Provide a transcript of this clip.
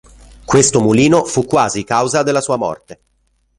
Questo mulino fu quasi causa della sua morte.